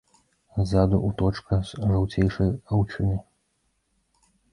Ззаду ўточка з жаўцейшай аўчыны.